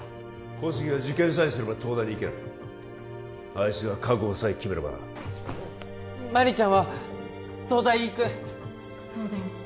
小杉は受験さえすれば東大に行けるあいつが覚悟さえ決めればな麻里ちゃんは東大行くそうだよ